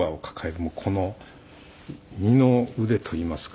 この二の腕といいますか。